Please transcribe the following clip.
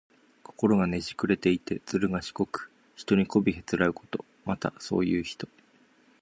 心がねじくれていて、ずるがしこく、人にこびへつらうこと。また、そういう人。